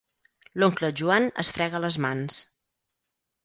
L'oncle Joan es frega les mans.